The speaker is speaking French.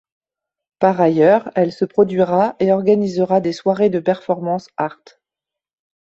Par ailleurs, elle se produira et organisera des soirées de performance art.